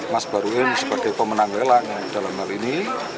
mas baruin sebagai pemenang lelang dalam hal ini